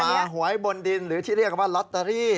หวยบนดินหรือที่เรียกว่าลอตเตอรี่